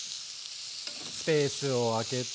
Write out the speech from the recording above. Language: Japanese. スペースを空けて。